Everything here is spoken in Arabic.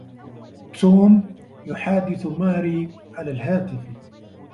توم يحادث ماري على الهاتف.